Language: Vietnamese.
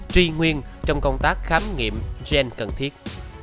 truy nguyên trong công tác khám nghiệm gen cần thiết